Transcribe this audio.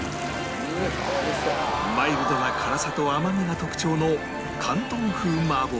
マイルドな辛さと甘みが特徴の広東風麻婆豆腐